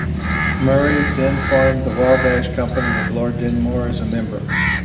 Murray then formed the Wabash Company with Lord Dunmore as a member.